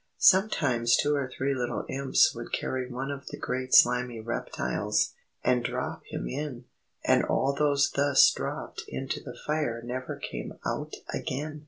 Sometimes two or three little Imps would carry one of the great slimy reptiles, and drop him in, and all those thus dropped into the fire never came out again.